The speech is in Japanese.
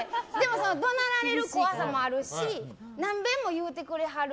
怒鳴られる怖さもあるしなんべんも言ってくだはる